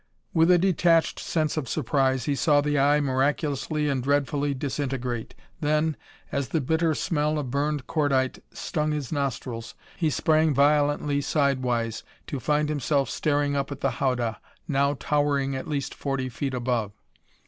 With a detached sense of surprise he saw the eye miraculously and dreadfully disintegrate; then, as the bitter smell of burned cordite stung his nostrils, he sprang violently sidewise to find himself staring up at the howdah, now towering at least forty feet above.